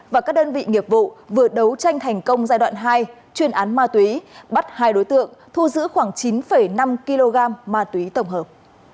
và các đơn vị nghiệp vụ vừa đấu tranh thành công giai đoạn hai chuyên án ma túy bắt hai đối tượng thu giữ khoảng chín năm kg ma túy tổng hợp